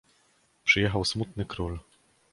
"Przyjechał smutny król."